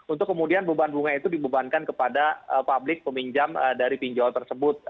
untuk kemudian beban bunga itu dibebankan kepada publik peminjam dari pinjol tersebut